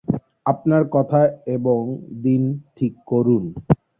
আপনার কথা এবং দিন ঠিক করুন।